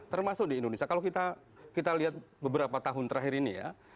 termasuk di indonesia kalau kita lihat beberapa tahun terakhir ini ya